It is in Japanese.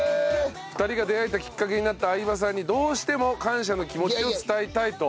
２人が出会えたきっかけになった相葉さんにどうしても感謝の気持ちを伝えたいと。